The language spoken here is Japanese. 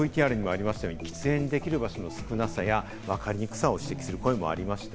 ＶＴＲにもありましたが、喫煙できる場所の少なさや、わかりにくさを指摘する声もありました。